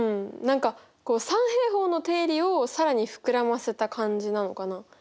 何か三平方の定理を更に膨らませた感じなのかな？